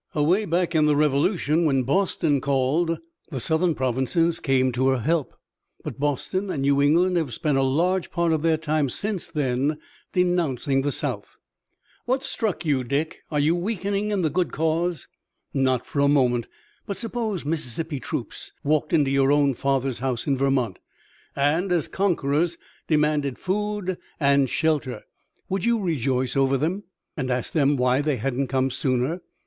Away back in the Revolution when Boston called, the Southern provinces came to her help, but Boston and New England have spent a large part of their time since then denouncing the South." "What's struck you, Dick? Are you weakening in the good cause?" "Not for a moment. But suppose Mississippi troops walked into your own father's house in Vermont, and, as conquerors, demanded food and shelter! Would you rejoice over them, and ask them why they hadn't come sooner?"